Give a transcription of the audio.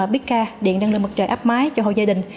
bica điện năng lượng mặt trời áp máy cho hội gia đình